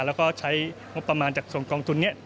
แล้วก็ใช้งบประมาณจากส่วนกองทุนนี้